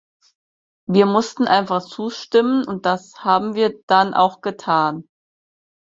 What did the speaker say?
Wir mussten einfach zustimmen und das haben wir dann auch getan.